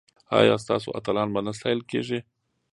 ایا ستاسو اتلان به نه ستایل کیږي؟